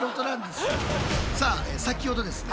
さあ先ほどですね